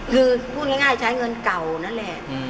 คือพูดง่ายใช้เงินเก่านั่นแหละ